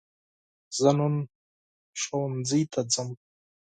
زه نن ښوونځي ته ځم.